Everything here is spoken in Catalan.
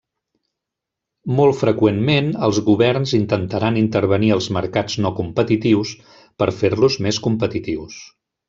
Molt freqüentment els governs intentaran intervenir els mercats no competitius per fer-los més competitius.